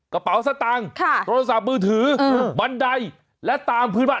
กระเป๋าสตางค์โทรศัพท์มือถือบันไดและตามพื้นบ้าน